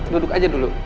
duduk aja dulu